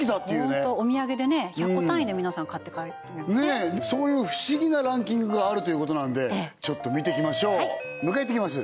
ホントお土産でね１００個単位で皆さん買って帰ってねそういう不思議なランキングがあるということなんでちょっと見てきましょう迎えいってきます